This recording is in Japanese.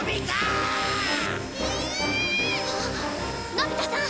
のび太さん